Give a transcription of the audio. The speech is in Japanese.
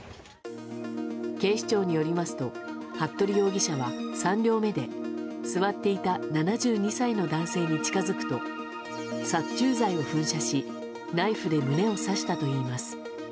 警視庁によりますと服部容疑者は３両目で座っていた７２歳の男性に近づくと殺虫剤を噴射しナイフで胸を刺したといいます。